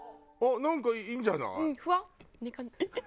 なんかいいんじゃない？